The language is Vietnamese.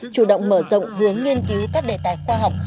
chủ động mở rộng vướng nghiên cứu các đề tài khoa học